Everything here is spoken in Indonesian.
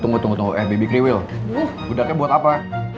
tunggu tunggu tunggu eh baby kriwil bedaknya buat apa